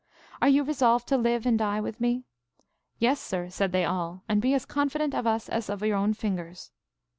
Are you resolved to live and die with me? Yes, sir, said they all, and be as confident of us as of your own fingers.